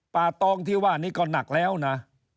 ตองที่ว่านี้ก็หนักแล้วนะ